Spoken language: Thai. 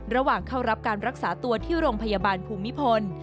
ระหว่างเข้ารับการรักษาตัวที่โรงพยาบาลภูมิพล